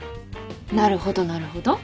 なるほどなるほど。